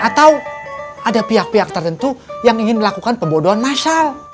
atau ada pihak pihak tertentu yang ingin melakukan pembodoan massal